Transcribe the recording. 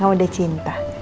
kamu udah cinta